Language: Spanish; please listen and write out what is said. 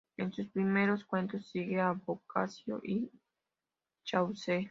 En sus primeros cuentos sigue a Boccaccio y Chaucer.